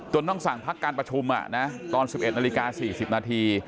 ต้องสั่งพักการประชุมตอน๑๑นาฬิกา๔๐นาที